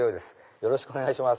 よろしくお願いします。